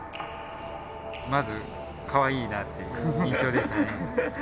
まずかわいいなっていう印象でしたね。